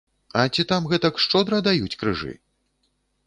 А ці там гэтак шчодра даюць крыжы?